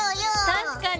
確かに！